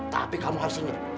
tapi kamu harus ingat